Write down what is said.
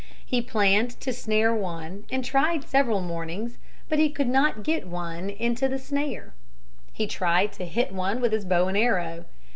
He planned to snare one and tried several mornings, but he could not get one into the snare. He tried to hit one with his bow and arrow.